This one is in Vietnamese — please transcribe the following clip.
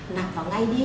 nạp vào ngay đi